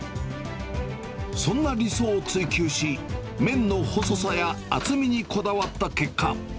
そんな理想を追求し、麺の細さや厚みにこだわった結果。